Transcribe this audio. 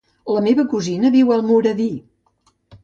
La meva cosina viu a Almoradí.